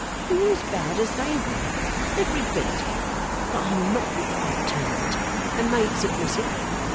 You are as bad as they were, every bit. But I will not be quite tamed, and made submissive.